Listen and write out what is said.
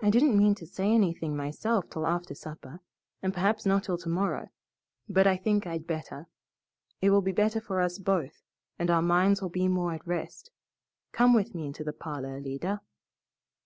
"I didn't mean to say anything myself till after supper, and perhaps not till tomorrow, but I think I'd better. It will be better for us both, and our minds will be more at rest. Come with me into the parlor, Alida."